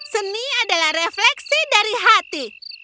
seni adalah refleksi dari hati